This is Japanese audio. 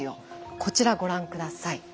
こちらご覧下さい。